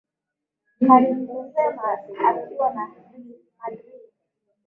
Karim Benzema akiwa na Real Madrid